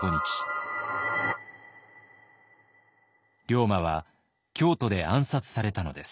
龍馬は京都で暗殺されたのです。